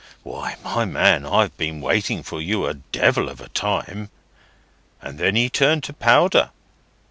Why, my man, I've been waiting for you a devil of a time!' And then he turned to powder."